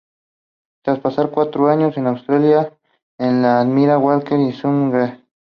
Tras pasar cuatro años en Austria, en el Admira Wacker y el Sturm Graz.